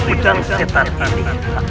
udang setan ini